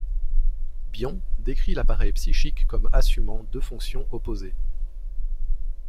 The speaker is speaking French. Bion décrit l'appareil psychique comme assumant deux fonctions opposées.